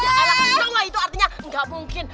ya elah no way itu artinya gak mungkin